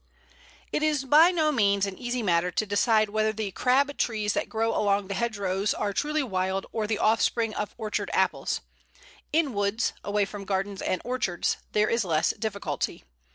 It is by no means an easy matter to decide whether the Crab trees that grow along the hedgerows are truly wild or the offspring of orchard apples. In woods, away from gardens and orchards, there is less difficulty.